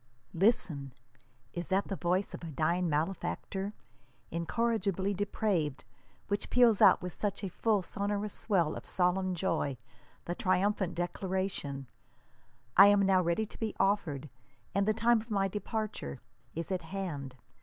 Listen ! Is that the voice of a dying malefactor, incorrigihly depraved, which peals out with such a full sonorous swell of solemn joy the triumphant declaration, "I am now ready to he offered, and the time of my departure is at hand.